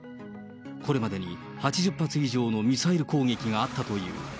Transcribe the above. これまでに８０発以上のミサイル攻撃があったという。